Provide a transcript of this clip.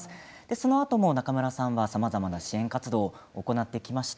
そのあとも中村さんはさまざまな支援活動を行ってきました。